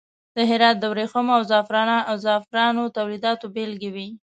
د هرات د وریښمو او زغفرانو تولیداتو بیلګې وې.